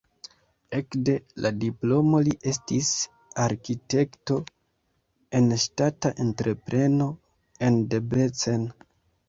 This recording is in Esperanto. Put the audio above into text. Ekde la diplomo li estis arkitekto en ŝtata entrepreno en Debrecen.